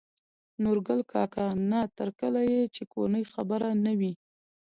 نورګل کاکا : نه تر کله يې چې کورنۍ خبره نه وي